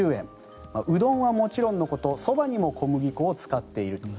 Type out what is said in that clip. うどんはもちろんのことそばにも小麦粉を使っている。